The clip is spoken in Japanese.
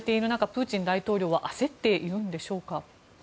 プーチン大統領は焦っているんでしょうか。